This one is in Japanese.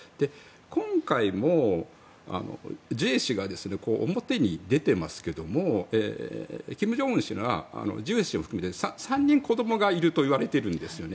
今回もジュエ氏が表に出てますけども金正恩氏はジュエ氏を含めて３人子どもがいるといわれているんですね。